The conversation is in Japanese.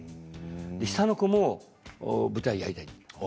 下の子も舞台をやりたい。